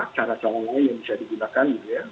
cara cara lain yang bisa digunakan gitu ya